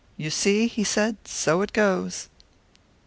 "You see!" he said. "So it goes."